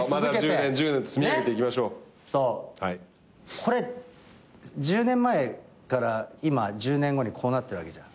これ１０年前から今１０年後にこうなってるわけじゃん。